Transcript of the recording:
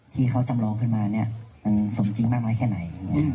ที่เขาจำลองขึ้นมาเนี่ยมันสมจริงมากน้อยแค่ไหน